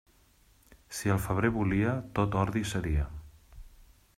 Si el febrer volia, tot ordi seria.